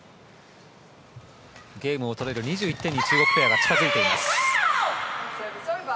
ゲームを取れる２１点に中国ペアが近づいています。